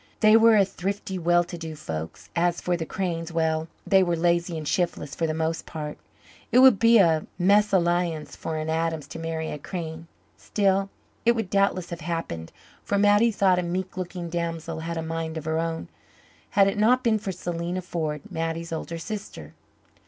They were a thrifty, well to do folk. As for the Cranes well, they were lazy and shiftless, for the most part. It would be a mésalliance for an Adams to marry a Crane. Still, it would doubtless have happened for Mattie, though a meek looking damsel, had a mind of her own had it not been for Selena Ford, Mattie's older sister.